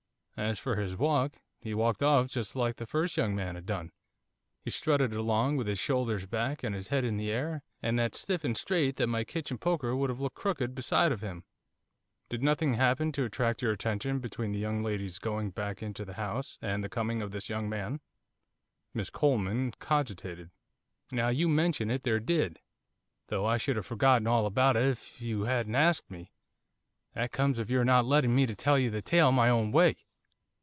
As for his walk, he walked off just like the first young man had done, he strutted along with his shoulders back, and his head in the air, and that stiff and straight that my kitchen poker would have looked crooked beside of him.' 'Did nothing happen to attract your attention between the young lady's going back into the house and the coming out of this young man?' Miss Coleman cogitated. 'Now you mention it there did, though I should have forgotten all about it if you hadn't asked me, that comes of your not letting me tell the tale in my own way.